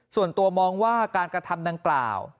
ส่วนตัวมองว่าการกระทำดังกล่าว